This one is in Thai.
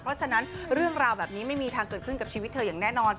เพราะฉะนั้นเรื่องราวแบบนี้ไม่มีทางเกิดขึ้นกับชีวิตเธออย่างแน่นอน